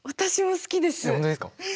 本当ですか？